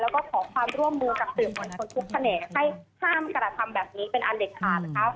แล้วก็ขอความร่วมมือจากสื่อมวลชนทุกแขนงให้ห้ามกระทำแบบนี้เป็นอันเด็ดขาดนะคะ